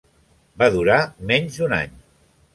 Va durar menys d'un any.